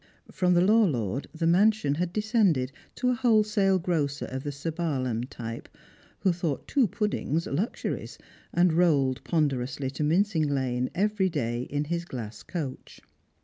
From the law lord the mansion had descended to a wholesale grocer of the Sir Baal am type, who thought " two puddings " luxuries, and rolled ponderously to Mincing lane every day in his glass coach.